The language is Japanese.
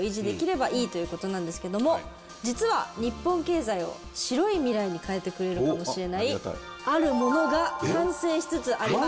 実は日本経済を白い未来に変えてくれるかもしれないあるものが完成しつつあります。